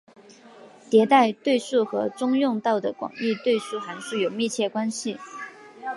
迭代对数和中用到的广义对数函数有密切关系。